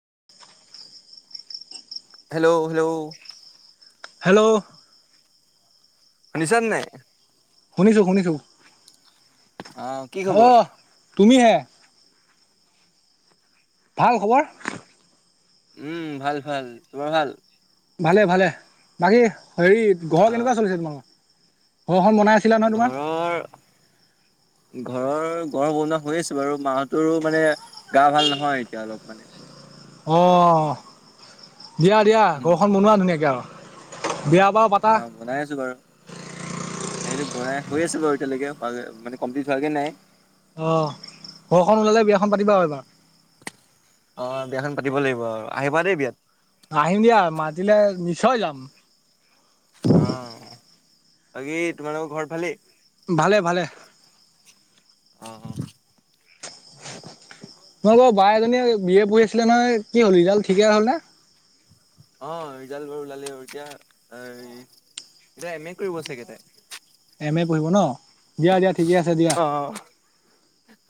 [inaudible] Hello, - hello, hello, শুনিছা নে নাই? শুনিছো- শুনিছো অ' কি খবৰ? অহ তুমি হে। ভাল খবৰ? উম, ভাল -ভাল তোমাৰ ভাল? ভালে -ভালে বাকী হেৰি ঘৰৰ অ' কেনেকুৱা চলিছে তোমালোকৰ? ঘৰখন বনাই আছিলা নহয় তোমাৰ? ঘৰৰ ঘৰৰ- ঘৰ বনোৱা হৈ আছে বাৰু মাহতৰো মানে গা ভাল নহয় এতিয়া অলপ মানে। অহ, দিয়া -দিয়া ঘৰখন বনোৱা ধুনীয়াকে আৰু। বিয়া বাৰু পাতা আহ বনাই আছো বাৰু সেইটো বনাই হৈ আছো বাৰু এতিয়ালৈকে হ মানে কমপ্লিট হোৱাগে নাই অ ঘৰখন ওলালে বিয়াখন পাতিবা আৰু এবাৰ। অ বিয়াখন পাতিব লাগিব আৰু আহিবা দেই বিয়াত আহিম দিয়া মাতিলে নিশ্চয় যাম অ বাকি তোমালোকৰ ঘৰ ভালে ভালে ভালে। অ অ তোমালোকৰ বা এজনীয়ে বি এ পঢ়ি আছিলে নহয় কি হ'ল ৰিজাল্ট ঠিকে হ'ল নে। অ ৰিজাল্ট বোৰ ওলালে এতিয়া এতিয়া এম এ কৰিব চাগে তাই। এম এ পঢ়িব ন দিয়া দিয়া ঠিকে আছে দিয়া। অ'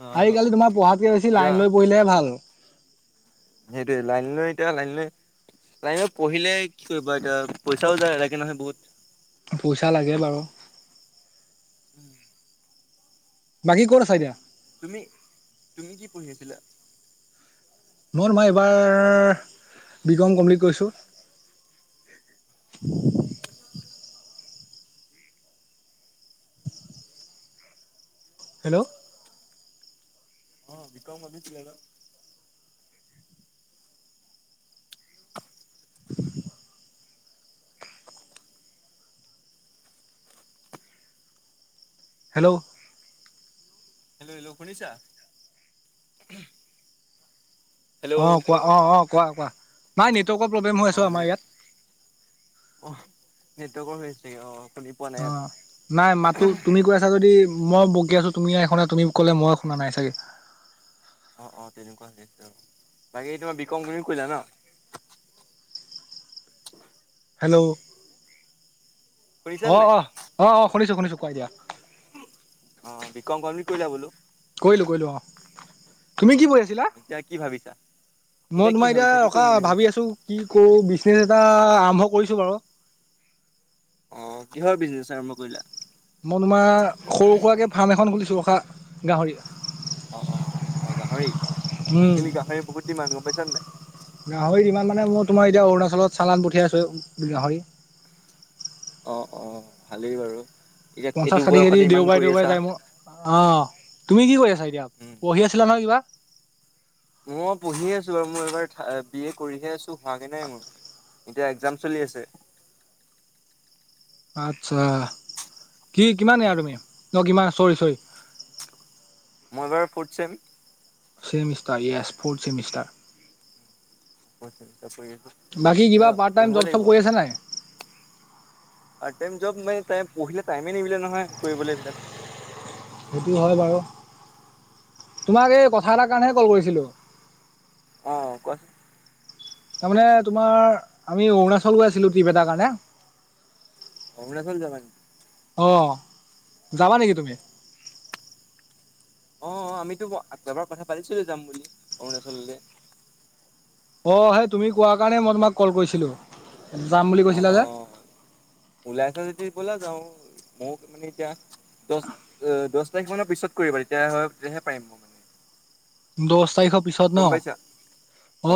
অ' আজিকালি তোমাৰ পঢ়াতকে বেছি লাইন লৈ পঢ়িলেহে ভাল সেইটোয়ে লাইন লৈ এতিয়া লাইন লৈ লাইনত পঢ়িলে কি কৰিবা এতিয়া পইচাও যায় লাগে নহয় বহুত পইচা লাগে বাৰু [inaudible] বাকী ক'ত আছা এতিয়া? তুমি তুমি কি পঢ়ি আছিলা? নহ মই এইবাৰ বি কম কমপ্লিট কৰিছোঁ [unintelligible] [inaudible] হেল্ল'। অ বিকাম বাভিছিলে ন হেল্ল' হেল্ল' হেল্ল শুনিছা হেল্ল' অ কোৱা অ অ কোৱা কোৱা নাই নে ৰ্টকৰ প্ৰব্লেম হৈ আছে অ' আমাৰ নেট ইয়াত। অ' নেটৱৰ্কৰ হৈ আ হৈছে অ শুনি পোৱা নাই অ নাই মাতো তুমি কৈ আছা যদি মই বকি আছো তুমি নাই শুনা তুমি ক'লে মই শুনা নাই চাগে অ অ তেনেকুৱা হৈছে বাকী তোমাৰ বিকম তুমি কমপ্লেট কৰিলা ন। হেল্ল' শুনিছানে অ নাই? অ অ অ শুনিছো শুনিছো কোৱা এতিয়া অ বিকম কমপ্লিত কৰিলা বোলো কৰিলোঁ কৰিলোঁ অঁ তুমি কি প়ঢ়ি আছিলা। এতিয়া কি ভাবিছা? মই কি তোমাৰ এতিয়া ভাবিছা কি ৰখা কৰিম বুলি ভাবিছা? ভাবি আছো কি কৰো বিজনেচ এটা আৰম্ভ কৰিছো বাৰু অ কিহৰ বিজনেচ আৰম্ভ কৰিলা? মই তোমাৰ সৰু সুৰাকে ফাৰ্ম এখন খুলিছোঁ ৰখা গাহৰি। অ অ অ গাহৰি আজি উম কালি গাহৰি বহুত দিমান গম পাইছা নাই গাহৰি ইমান মানে মই তোমাৰ এতিয়া অৰুণাচলত চালান পঠিয়াই আছোঁ গাহৰি অ অ ভালেই বাৰু এতিয়া পঞ্চাশ, এইটো ষাঠি কেজি বয়সতে ইমান দেওবাৰে কৰি দেওবাৰে আছা। যায় মোৰ অ তুমি কি কৰি আছা এতিয়া উম। পঢ়ি আছিলা নহয় কিবা। মই পঢ়ি আছো বাৰু মোৰ এইবাৰ বি এ কৰিহে আছো হোৱাগে নাই মোৰ এতিয়া এক্জাম চলি আছে। আচ্ছা কি কিমান য়াৰ তুমি ন কিমান চৰি চৰি মই এবাৰ ফৰ্থ চেম চছেমিষ্টাৰ য়েছ ফৰ্থ চেমিষ্টাৰ হয়ছাগে বাকী কিবা পাৰ্ট টাইম জব চব কৰি আছা নাই? পাৰ্ট টাইম জব মানে পঢ়িলে টাইমে নিমিলে নহয় কৰিবলে ইবিলাক। সেইটো হয় বাৰু। তোমাক এই কথা এটাৰ কাৰণেহে কল কৰিছিলোঁ। অঁ কোৱাচোন। তাৰমানে তোমাৰ আমি অৰুণাচল গৈ আছিলোঁ ট্ৰিপ এটাৰ কাৰণে। অৰুনাচল যাবা নেকি? অহ যাবা নেকি তুমি? অ অ আমিতো এবাৰ কথা পাতিছিলো যাম বুলি অৰুণাচললে। অঁ সেই তুমি কোৱা কাৰণে মই তোমাক কল কৰিছিলোঁ। যাম বুলি অ কৈছিলা অ যে ওলাইছ যদি ব'লা যাওঁ মোৰ মানে এতিয়া দছ অ দছ তাৰিখ মানৰ পিছত কৰিবা তেতিয়া হয় তেতিয়াহে পাৰিম মই। দহ তাৰিখৰ পিছত ন গম পাইছা?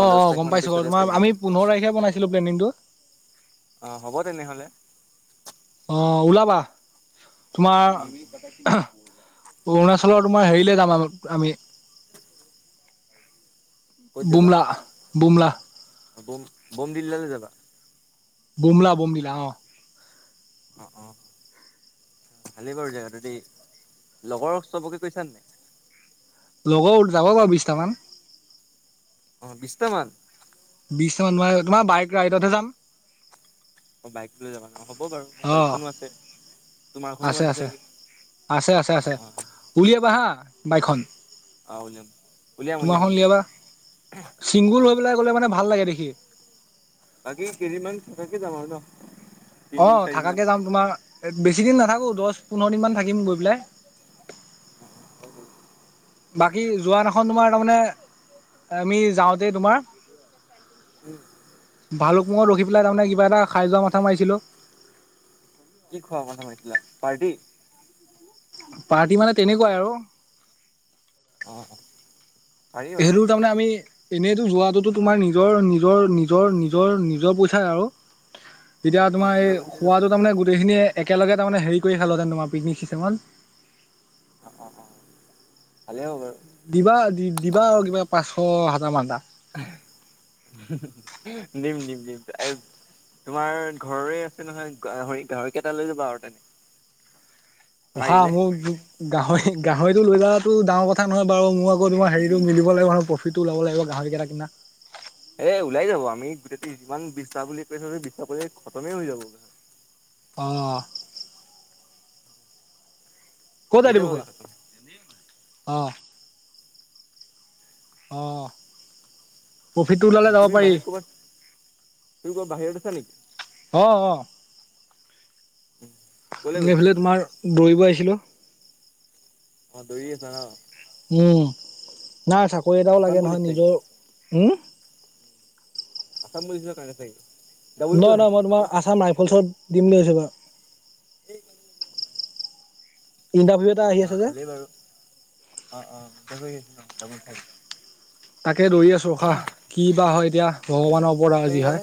অ দহ অ তাৰিখ গম মানৰ পাইছো বাৰু পিছতহে পাৰিম তোমাৰ মই। আমি পোন্ধৰ তাৰিখে বনাইছিলো প্লেনিংটো। অঁ হ'ব তেনেহ'লে। অ ওলাবা তোমাৰ অৰুণাচলৰ তোমাৰ হেৰিলে যাম আ আমি। ক'ত যাবা? বুমলা বুমলা। বম বম দিল্লাল যাবা। বোমলা বমলিলা অ। অ', অ', [unintelligible] ভালেই বাৰু জদি লগৰক চবকে কৈছান নে। হ যাব বাৰু বিশটামান। অ বিশছটামান। বিশট মান ম তোমাৰ বাইক ৰাইডতহে যাম। অ বাইক লৈ যাবা ন? হ'ব বাৰু মোৰ অ বাইকখনো আছে তোমাৰখনো আছে চাগে। আছে আছে অ', আছে অ', উলিয়াবা হা বাইকখন। অ উওলাম উওলিয়াম উওলিয়াম তোমাৰখন উলিয়াম। উলিয়াবা ছিংগুল হৈ অ', পেলাই গ'লে মানে ভাল লাগে দেখি। বাকি কেইদিনমান থাকাকে যাম আৰু ন। অ তিনদিন চাৰিদিনমান থাকাকে যাম তোমাৰ বেছি দিন নাথাকো। আকৌ দহ পোন্ধৰ দিনমান থাকিম গৈ পেলাই। বাকী যোৱান এখন তোমাৰ তাৰমানে আমি যাওঁতেই তোমাৰ। উম, ভালুক মঙত ৰখি পেলাই তাৰমানে কিবা এটা খাই যোৱা মাথা মাৰিছিলোঁ। কি খোৱা কথা মাৰিছিলা পাৰ্টি। পাৰ্টি মানে তেনেকুৱাই আৰু। অ', অ', পাৰি বাৰু সেইটো তাৰমানে আমি। এনেইতো যোৱাটো তোমাৰ নিজৰ নিজৰ নিজৰ নিজৰ নিজৰ পইচাই আৰু। তেতিয়া অ', তোমাৰ নিৰৱ এই গুচিয়ে যাব খোৱাদটো তাৰমানে গোটেইখিনিয়ে একেলগে তাৰ মানে হেৰি কৰি খালোহেতেন তোমাৰ পিকনিক চিচনত। অ অ অ ভালেই হ'ব বাৰু। দিবা দি দিবা আৰু কিবা পাঁচশ হাজাৰ মান তটা। নিম নিম নিম। তোমাৰ ঘৰৰে আছে নহয় গাহৰি গাহৰি কেইটা লৈ যাবা আৰু তেনে। [unintelligible] অহা মাৰিলে মোক গাহৰি গাহৰিতটো লৈ যোৱা ডাঙৰ কথা নহয় বাৰু মোৰ। তোমাৰ হেৰিটো মিলিব লাগিব প্ৰফিট টো ল'ব লাগিব গাহৰি কেইটা কিনা। এ ওলাই যাব আমি গোট যিমান বিশ্বাস বুলি কৈছো বিশ্বাস কৰি খতমে হৈ যাব। অহঁ। হৈ যাবাগে কাত। অহঁ। অহঁ। তুমি বাহিৰত ক'বাত তুমি ক'বাত বাহিৰত আছা নেকি। অ অ। ক'লে গৈছা? এইফালে তোমাৰ দৌৰিব আহিছিলো। অ দুৰি আছা ন। নাই চাকৰি এটাও আছাম লাগে পুলিচ নহয় চাগে নিজৰ। আ বুলিলিছ কাৰে চাগে। ডাবুল কিয় নহয় নহয় খাইছিলি মই তোমাৰ তেতিয়া? আসাম ৰাইফলছত দিম বুলিাবছোঁ বাাৰু। এই ক। ইণ্টাৰভিউ এটা আহি আা আছে যে ভালেই বাৰু অ অছ অ যাব চ। ত একে দৌৰি আছোঁ ৰখা কি বা হয় এতিয়া ভগৱানৰ পৰা আজি সেইডালে হয়।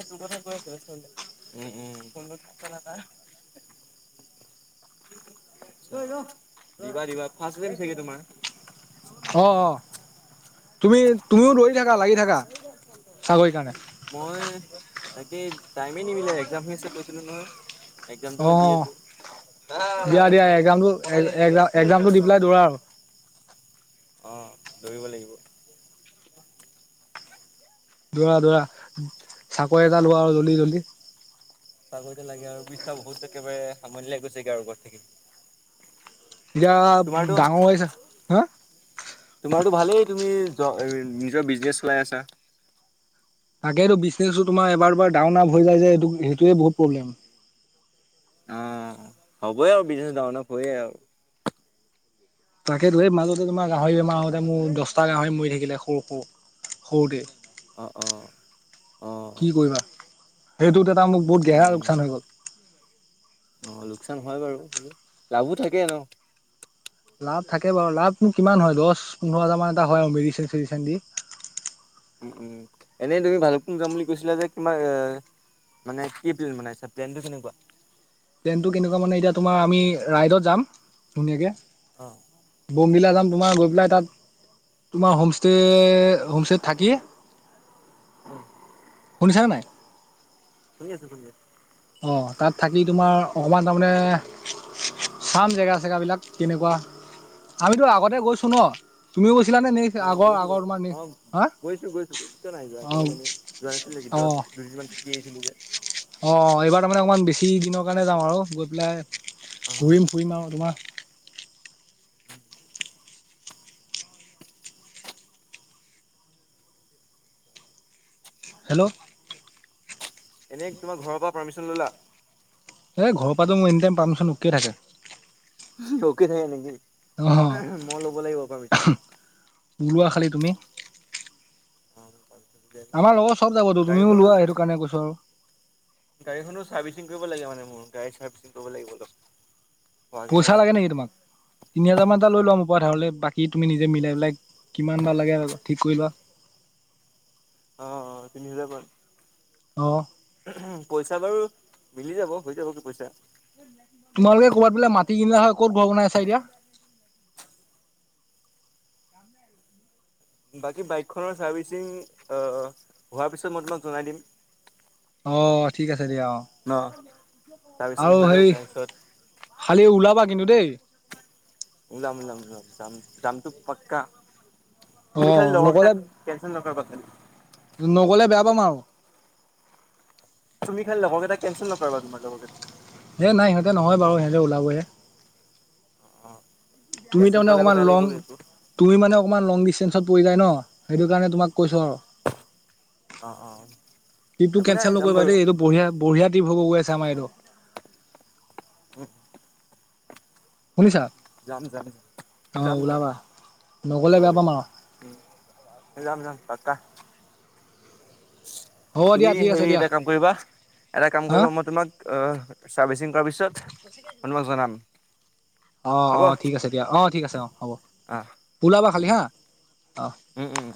ন না। অই ৰ দিবা দিবা ফাছ গেম চাগে তোমাৰ। অঁ অঁ তুমি। তুমিও দৌৰি থাকা লাগি থাকা চাকৰি কাৰণে। টাইমে নিমিলে একজাম হৈ আছে কৈছিলোঁ নহয়। এক্সামটো অ দি আছো দিয়া দিয়া একজামটো। একজাম একজামটো দি পেলাই দৌৰা আৰু। অ দৌৰিব লাগিব। দৌৰা দৌৰা চাকৰি এটা লোৱা আৰু জল্দি জল্দি। চাকৰিতে লাগে আৰু বিশটা বহুত একেবাৰে আমনি লাগি গৈছেগে আৰু ঘৰত থাকি থাকি। এতিয়া ডাঙৰ হৈছে হা। ত ভালেই তুমি নিজৰ বিজনেচ চলাই আছা। তাকেইতো বিজনেছো তোমাৰ এবাৰ দুবাৰ ডাউন আপ হৈ যায় যে সেইটোৱে বহুত প্ৰব্লেম। অ', হ'বই আৰু বিজনেচ ডাওন আপ হয়ে আৰু। তাকেতো সেই মাজতে তোমাৰ গাহৰি বেমাৰ হোতে মোৰ দহটা গাহৰি মৰি থাকিলে সৰু সৰু। সৰুতে অ', অ', অ', কি কৰিবা সেইটো ত। মোক বহুত গেহৰা উম, লোকচান হৈ গ'ল। অ লোকচান হয় বাৰু হ'লে লাভো থাকে ন। লাভ থাকে বাৰু লাভ নো কিমান হয় দহ পোন্ধৰ হাজাৰ মান এটা হয় মেডিচন চেডিচন দি। উম উম এনেই তুমি ভালকোন যাম বুলি কৈছিলা যে কিমা এ। মানে কি প্লেন বনাইছা প্লেনটো কেনেকুৱা। প্লেন কেনেকুৱা মানে এতিয়া তোমাৰ আমি ৰাইডত যাম অ', ধুনীয়াকে। বমগিলা যাম। তোমাৰ গৈ পেলাই তাত তোমাৰ হোমষ্টে হোমষ্টেত থাকি। উম। শুনিছানে নাই। শুনি আছোঁ শুনি আছোঁ। অ তাত থাকি তোমাৰ অকণমান তাৰমানে। চাম জেগা চেগা বিলাক কেনেকুৱা আমিতো আগতে গৈছোঁ ন তুমিও। গৈছিলানে নে অ আগৰ গৈছোঁ আগৰ তোমাৰ বাৰু নে অ হা গৈছোঁ গৈছোঁ কিয় নাই যোৱা অঁ একেলগ যোৱা নাছিলোঁ নেকি। দুই দিনমান থাকি আহিছিলোঁ যে। হয়। অঁ এইবাৰ তাৰমানে অকণমান বেছি দিনৰ কাৰণে যাম, আৰু গৈ পেলাই অ', ঘূৰিম ফুৰিম আৰু তোমাৰ। হেল্ল'। এনেই তোমাৰ ঘৰৰ পৰা পাৰ্মিশন ললা। এ ঘৰৰ পৰা মোৰ এনি টাইম পাৰ্মিশন উকে থাকে। উকে থাকে নেকি অ মই ল'ব লাগিব পাৰ্মিচন। ওলোৱা খালি তুমি। অ আমাৰ লগত চব যাবতো তুমিও গাড়ীখনো লোৱা সেইটো কাৰণে কৈছোঁ আৰু। গাড়ীখনো চাৰ্ভিচিং কৰিব লাগে মানে মোৰ গাড়ী চাৰ্ভিচিং কৰিব লাগিব অলপ। হোৱা কেনে পইচা লাগে নেকি তোমাক তিনি হাজাৰ মান এটা লৈ লোৱা মোৰ। কোৱা নহ'লে বাকী তুমি নিজে মিলাই পেলাই কিমান বা লাগে ঠিক কৰি লোৱা। অ অ তিনি হাজাৰ মান। অ। পইচা বাৰু মিলি যাব হৈ যাব কি পইচা। [unintelligible] তোমালোকে ক'বাত বোলে মাটি কিনিলা হয় ক'ত ঘৰ বনাইছা এতিয়া। [unintelligible] বাকী বাইকখনৰ চাৰ্ভিচিং হোৱাৰ পিছত মই তোমাক জনাই দিম। অ ঠিক আছে। দিয়া অ চাৰ্ভিচিং আৰু হৈ লওক সেই তাৰপিছত খালি ওলাবা। কিন্তু দেই। ওলাম ওলাম ওলাম যাম যামটো পাক্কা। [unintelligible] অ তুমি খালি লগৰকেইটা নগলে কেনচেল নকৰিবা [unintelligible] নগলে বেয়া পাম আৰু [unintelligible] তুমি খালি লগৰকেইটা কেনঞ্চেল নকৰিবা তোমাৰ লগৰকেইটাক [unintelligible] এ নাই সিহঁতে নহয় বাৰু সিহঁতে ওলাবহে [unintelligible] অ তুমি কেনচেল তাৰমানে কৰিলে আকৌ অকনমান বেয়া লং লাগিবগৈ এইটো তুমি মানে অকনমান লং দিছটেনচ [unintelligible] [unintelligible] পৰি যায় ন সেইটো কাৰণে তোমাক কৈছোঁ আৰু অ-অ [unintelligible] ট্ৰিপটো কেনচেল নকৰিবা দেই এইটো বঢিয়া-বঢ়িয়া ট্ৰিপ হব গৈ আছে আমাৰ এইটো [unintelligible] [unintelligible] উম [unintelligible] শুনিছা যাম যাম অঁ যাম যাম ওলাবা নগ'লে বেয়া পাম আৰু [unintelligible] যাম-যাম পাকা [unintelligible] [inaudible] তুমি ঠিক আছে হেৰি দিয়া এটা কাম কৰিবা [unintelligible] এটা কাম হা কৰিবা মই তোমাক চাৰ্ভিচিং কৰাৰ পিছত মই তোমাক জনাম। [unintelligible] হ'ব অ-অ ঠিক আছে দিয়া অ ঠিক আছে অ হ'ব অ [unintelligible] ওলাবা খালী উম হা [unintelligible] অঁ উম উম